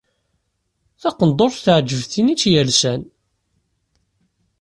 Taqendurt teɛǧeb tin i tt-ilsan.